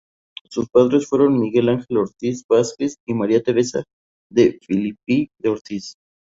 Sus padres fueron Miguel Ángel Ortiz Vásquez y María Teresa de Filippi de Ortiz.